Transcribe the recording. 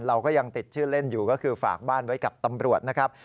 เราก็ยังติดชื่อเล่นอยู่ก็คือฝากบ้านไว้กับตำรวจนะครับ